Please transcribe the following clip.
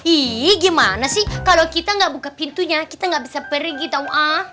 iiih gimana sih kalo kita ga buka pintunya kita ga bisa pergi tau ah